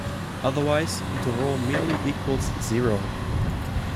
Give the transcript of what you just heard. Otherwise, the roll merely equals zero.